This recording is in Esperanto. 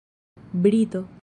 brito